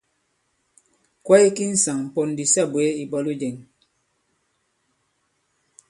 Kwaye ki ŋsàŋ pōn di sa bwě, ìbwalo jɛ̄ŋ!